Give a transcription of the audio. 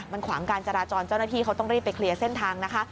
มันขวางการจราจรเจ้าหน้าที่เขาต้องรีบไปเคลียร์เส้นทางนะคะ